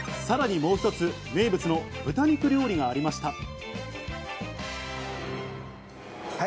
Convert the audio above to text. さらにもう一つ、名物の豚肉料理がありました。